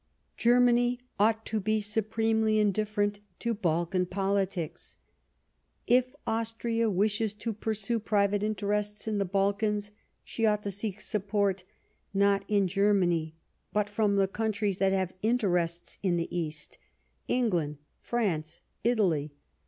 " Germany ought to be supremely indif ferent to Balkan politics." " If Austria wishes to pursue private interests in the Balkans, she ought to seek support, not in Germany, but from the countries that have interests in the East, England, France, Italy.